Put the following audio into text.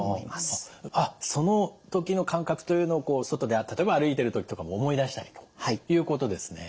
あっその時の感覚というのを外で例えば歩いている時とかも思い出したりということですね。